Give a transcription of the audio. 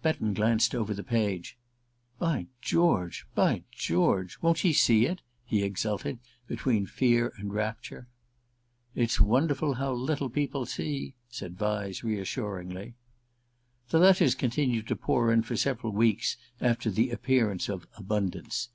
Betton glanced over the page. "By George by George! Won't she see it?" he exulted, between fear and rapture. "It's wonderful how little people see," said Vyse reassuringly. The letters continued to pour in for several weeks after the appearance of "Abundance."